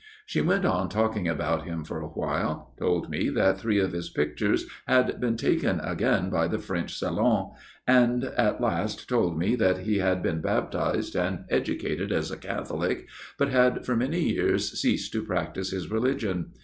She went on talk ing about him for a while ; told me that three of his pictures had been taken again by the French Salon, and at last told me that he had been baptized and educated as a Catholic, but had for many years ceased to practise his religion.